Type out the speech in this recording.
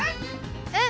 うん！